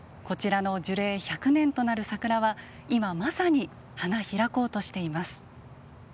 こちらの樹齢１００年となる桜は今まさに、花開こうとしています。